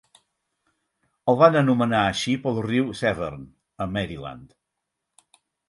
El van anomenar així pel riu Severn, a Maryland.